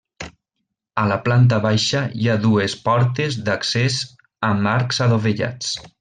A la planta baixa hi ha dues portes d'accés amb arcs adovellats.